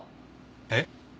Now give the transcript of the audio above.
えっ？